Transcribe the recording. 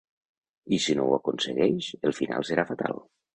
I si no ho aconsegueix, el final serà fatal.